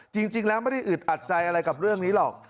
จริงแล้วไม่ได้อึดอัดใจอะไรกับเรื่องนี้หรอก